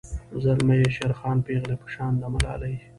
زلمي یی شیرخان پیغلۍ په شان د ملالۍ